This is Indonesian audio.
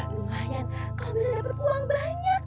lumayan kamu bisa dapat uang banyak